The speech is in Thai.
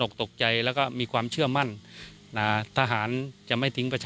ได้จัดเตรียมความช่วยเหลือประบบพิเศษสี่ชน